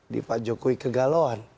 di pak jokowi kegalauan